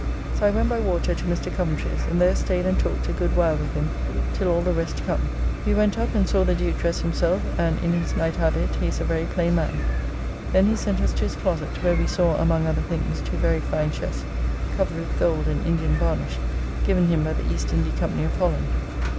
So I went by water to Mr. Coventry's, and there staid and talked a good while with him till all the rest come. We went up and saw the Duke dress himself, and in his night habitt he is a very plain man. Then he sent us to his closett, where we saw among other things two very fine chests, covered with gold and Indian varnish, given him by the East Indy Company of Holland.